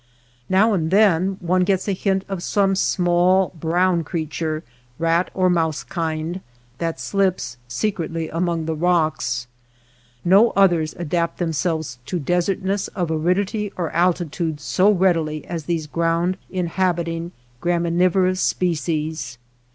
Now and then one gets a hint of some small, brown creature, rat or mouse kind, that slips secretly among the rocks ; no others adapt themselves to desertness of aridity or alti tude so readily as these ground inhabiting, graminivorous species.